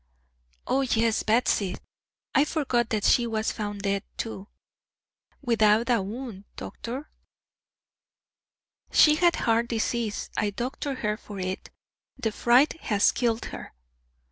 "O yes, Batsy! I forgot that she was found dead too." "Without a wound, doctor." "She had heart disease. I doctored her for it. The fright has killed her."